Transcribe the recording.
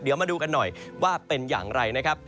เดี๋ยวมาดูกันหน่อยว่าเป็นอย่างไรนะครับ